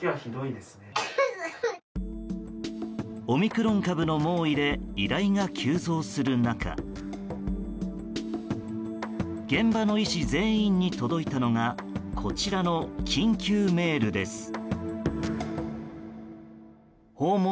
オミクロン株の猛威で依頼が急増する中現場の医師全員に届いたのがこちらの緊急メールです。